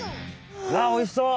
わあおいしそう！